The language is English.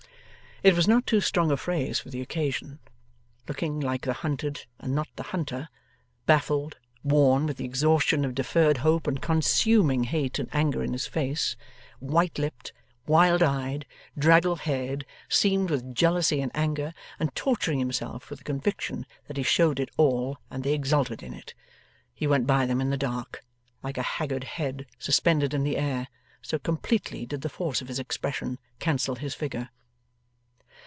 It was not too strong a phrase for the occasion. Looking like the hunted and not the hunter, baffled, worn, with the exhaustion of deferred hope and consuming hate and anger in his face, white lipped, wild eyed, draggle haired, seamed with jealousy and anger, and torturing himself with the conviction that he showed it all and they exulted in it, he went by them in the dark, like a haggard head suspended in the air: so completely did the force of his expression cancel his figure.